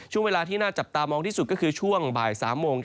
ช่วงเวลาที่น่าจับตามองที่สุดก็คือช่วงบ่าย๓โมง